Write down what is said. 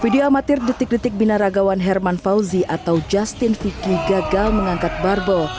video amatir detik detik binaragawan herman fauzi atau justin vicky gagal mengangkat barbel